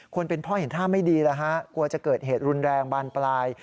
คนเป็นพ่อเห็นท่าไม่ดีแล้วฮะกลัวจะเกิดเหตุรุนแรงบานปลาย